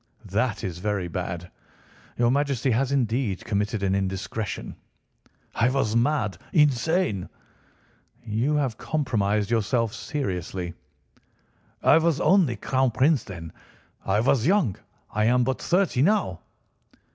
That is very bad! Your Majesty has indeed committed an indiscretion." "I was mad—insane." "You have compromised yourself seriously." "I was only Crown Prince then. I was young. I am but thirty now."